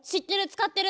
使ってる。